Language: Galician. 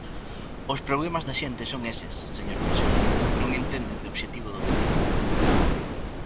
Os problemas da xente son eses, señor conselleiro, non entenden de obxectivo do déficit.